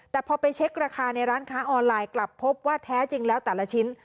แต่พอไปเช็คราคาในร้านค้าออนไลน์กลับพบว่าแท้จริงแล้วแต่ละชิ้น